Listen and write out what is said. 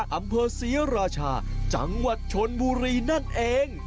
อำเภอศรีราชาจังหวัดชนบุรีนั่นเอง